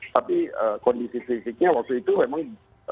tapi kondisi fisiknya waktu itu memang